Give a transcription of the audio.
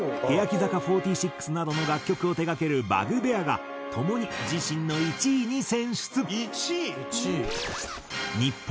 欅坂４６などの楽曲を手がけるバグベアがともに自身の１位に選出。